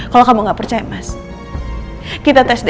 jangan kita panggil dia mac chilli